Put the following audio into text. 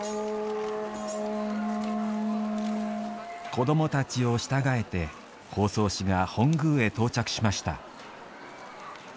子どもたちを従えて方相氏が本宮へ到着しました。